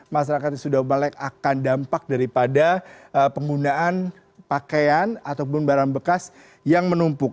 masyarakat yang sudah balik akan dampak daripada penggunaan pakaian ataupun barang bekas yang menumpuk